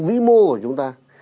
vĩ mô của chúng ta